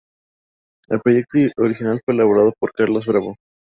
El proyecto original fue elaborado por Carlos Bravo.